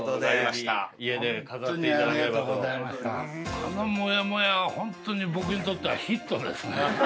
あのモヤモヤはホントに僕にとってはヒットですね。